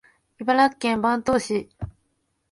茨城県坂東市